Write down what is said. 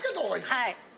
はい。